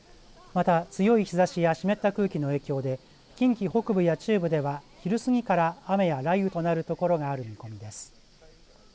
また、強い日ざしや湿った空気の影響で近畿北部や中部では昼過ぎから雨や雷雨となる所がある見込みです。